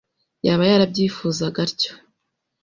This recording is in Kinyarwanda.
yaba yarabyifuzaga atyo.